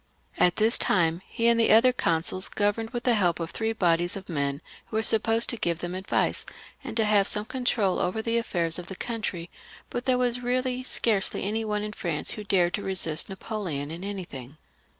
At this time he and the other consuls governed with the help of three bodies of men who were supposed to give them advice, and to have some control over the affairs of the country, but there was really scarcely any one in France who dared to resist Napoleon in anything.